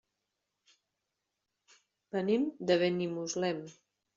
Venim de Benimuslem.